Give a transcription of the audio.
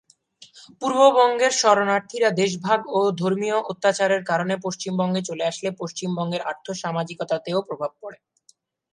পূর্ববঙ্গের শরণার্থীরা দেশভাগ ও ধর্মীয় অত্যাচারের কারণে পশ্চিমবঙ্গে চলে আসলে পশ্চিমবঙ্গের আর্থ-সামাজিকতাতেও প্রভাব পরে।